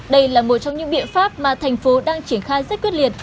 đây là một trong những biện pháp mà thành phố đang triển khai rất quyết liệt